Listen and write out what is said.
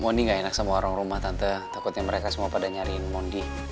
mony gak enak sama orang rumah tante takutnya mereka semua pada nyariin mondi